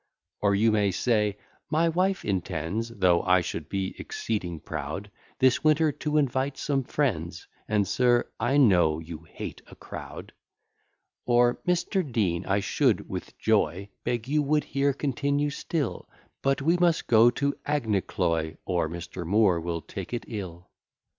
Or you may say "My wife intends, Though I should be exceeding proud, This winter to invite some friends, And, sir, I know you hate a crowd." Or, "Mr. Dean I should with joy Beg you would here continue still, But we must go to Aghnecloy; Or Mr. Moore will take it ill."